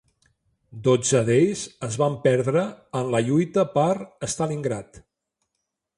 Dotze d'ells es van perdre en la lluita per Stalingrad.